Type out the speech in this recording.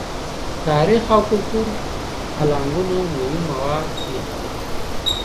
تاریخي او کلتوري الانګونه مهمې مواد دي.